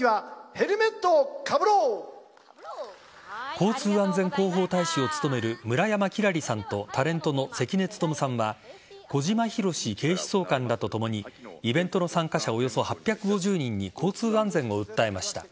交通安全広報大使を務める村山輝星さんとタレントの関根勤さんは小島裕史警視総監らとともにイベントの参加者およそ８５０人に交通安全を訴えました。